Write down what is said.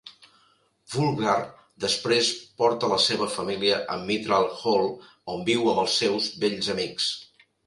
Wulfgar després porta la seva família a Mithral Hall on viu amb els seus vells amics.